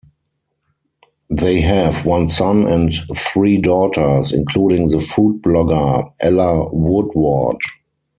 They have one son and three daughters, including the food blogger Ella Woodward.